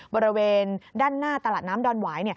บริเวณด้านหน้าตลาดน้ำดอนหวาย